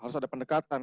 harus ada pendekatan